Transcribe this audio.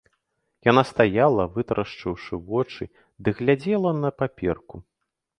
Яна стаяла, вытрашчыўшы вочы, ды глядзела на паперку.